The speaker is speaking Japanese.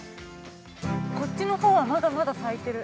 ◆こっちのほうはまだまだ咲いてる。